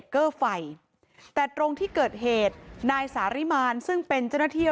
เกอร์ไฟแต่ตรงที่เกิดเหตุนายสาริมานซึ่งเป็นเจ้าหน้าที่